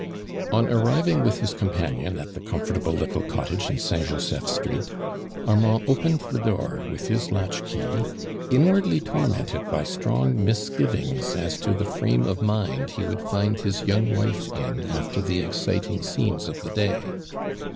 On arriving with his companion, at tlie comfortable little cottage in St Joseph street, Armand opened the door with his latch key, inwardly tormented by strong misgivings as to the frame of mind he wouUl Hnd his young wife in after the exciting scenes of the day.